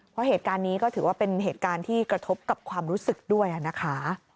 เพราะเหตุการณ์นี้ก็ถือว่าเป็นเหตุการณ์ที่กระทบกับความรู้สึกด้วยนะคะ